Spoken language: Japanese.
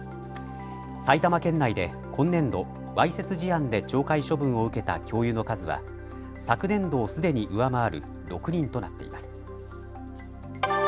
埼玉県内で今年度、わいせつ事案で懲戒処分を受けた教諭の数は昨年度をすでに上回る６人となっています。